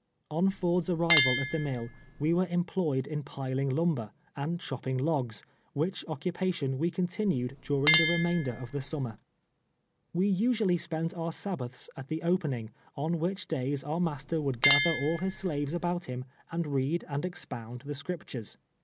On Ford's arrival at the mill, we were employed in piling lumber, and chopping logs, which occupation we continued during the remainder of the summer. "\Ye usually spent our Sabbatlis at the opening, on which (lays our master would gather all his slavea about him, and read and expound the Scriptures.